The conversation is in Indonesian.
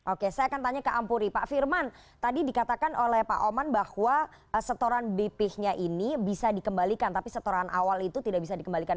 oke saya akan tanya ke ampuri pak firman tadi dikatakan oleh pak oman bahwa setoran bp nya ini bisa dikembalikan tapi setoran awal itu tidak bisa dikembalikan